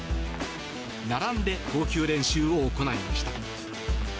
並んで投球練習を行いました。